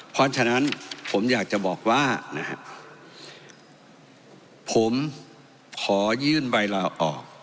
เพราะฉะนั้นผมอยากจะบอกว่านะฮะผมขอยื่นใบลาออก